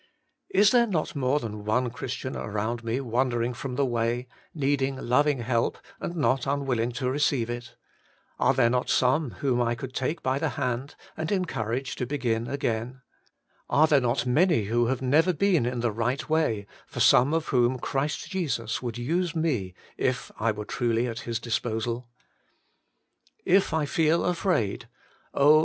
Is there not more than one Christ ian around me wandering from the way, needing loving help and not unwilling to receive it? Are there not some whom I could take by the hand, and encourage to begin again? Are there not many who have never been in the right way, for some of whom Christ Jesus would use me, if I were truly at His disposal ? 146 Working for God If I feel afraid — oh!